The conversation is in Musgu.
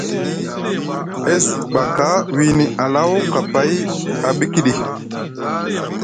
E zi ɓaka wiini Alaw kapay a ɓikiɗi.